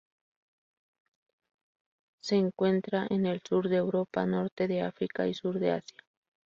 Se encuentra en el Sur de Europa, Norte de África y Sur de Asia.